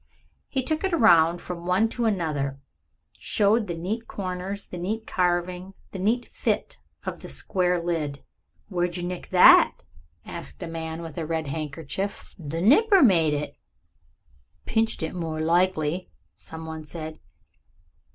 He took it round from one to another, showed the neat corners, the neat carving, the neat fit of the square lid. "Where'd yer nick that?" asked a man with a red handkerchief. "The nipper made it." "Pinched it more likely," some one said.